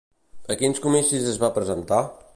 A quins comicis es va presentar?